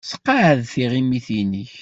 Sseqɛed tiɣimit-nnek.